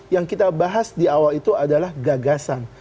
yang kita bahas di awal itu adalah gagasan